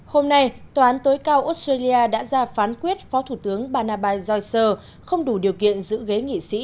hôm nay tòa án tối cao australia đã ra phán quyết phó thủ tướng banabay joher không đủ điều kiện giữ ghế nghị sĩ